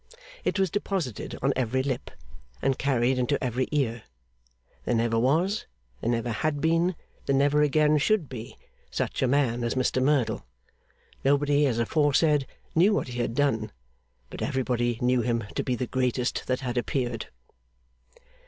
It was deposited on every lip, and carried into every ear. There never was, there never had been, there never again should be, such a man as Mr Merdle. Nobody, as aforesaid, knew what he had done; but everybody knew him to be the greatest that had appeared.